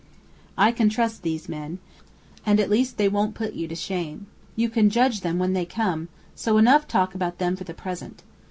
"I can trust these men. And at least they won't put you to shame. You can judge them when they come, so enough talk about them for the present!